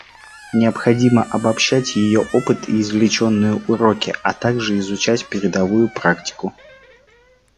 Необходимо обобщать ее опыт и извлеченные уроки, а также изучать передовую практику.